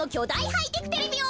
ハイテクテレビを。